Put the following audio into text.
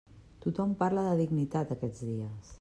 Tothom parla de dignitat, aquests dies.